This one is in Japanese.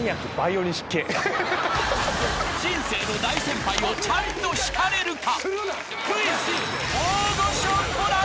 ［人生の大先輩をちゃんと叱れるか？］